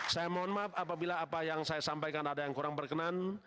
saya mohon maaf apabila apa yang saya sampaikan ada yang kurang berkenan